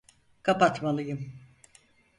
Kapatmalıyım.